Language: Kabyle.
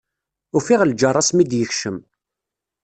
Ufiɣ lǧerra-s mi d-yekcem.